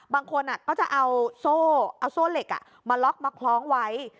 บางคนก็จะเอาโซ่เหล็กมาล็อกมาคล้องไว้